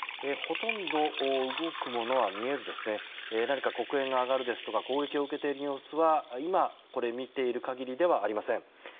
ほとんど動くものは見えず、何か黒煙が上がるですとか攻撃を受けている様子は今、見ている限りではありません。